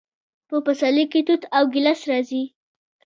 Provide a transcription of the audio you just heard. په پسرلي کې توت او ګیلاس راځي.